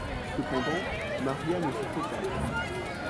Cependant, Maria ne s'en fait pas.